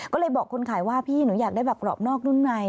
ก็เลยบอกคนขายว่าพี่หนูอยากได้แบบกรอบนอกนุ่มใน